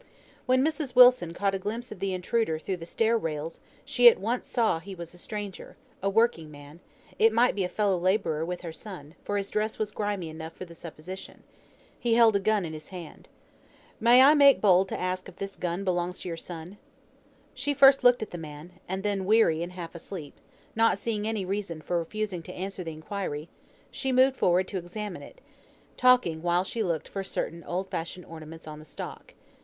When Mrs. Wilson caught a glimpse of the intruder through the stair rails, she at once saw he was a stranger, a working man, it might be a fellow labourer with her son, for his dress was grimy enough for the supposition. He held a gun in his hand. "May I make bold to ask if this gun belongs to your son?" She first looked at the man, and then, weary and half asleep, not seeing any reason for refusing to answer the inquiry, she moved forward to examine it, talking while she looked for certain old fashioned ornaments on the stock.